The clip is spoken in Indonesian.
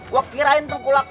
gua kirain tuh kulak